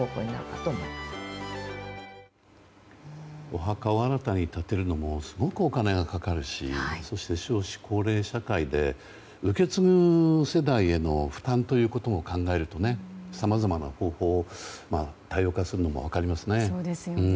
お墓を新たに建てるのもすごくお金がかかるしそして、少子高齢社会で受け継ぐ世代への負担を考えるとさまざまな方法を多様化するのも分かりますね。